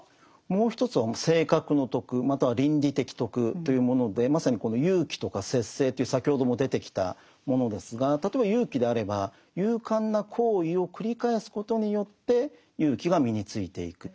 もう一つは性格の徳または倫理的徳というものでまさにこの勇気とか節制という先ほども出てきたものですが例えば勇気であれば勇敢な行為を繰り返すことによって勇気が身についていく。